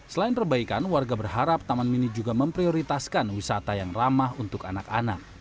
selain perbaikan warga berharap taman mini juga memprioritaskan wisata yang ramah untuk anak anak